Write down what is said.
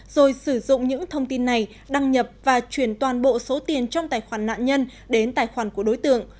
rồi sử dụng những thông tin này đăng nhập và chuyển toàn bộ số tiền trong tài khoản nạn nhân đến tài khoản của đối tượng